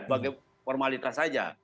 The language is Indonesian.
bagi formalitas saja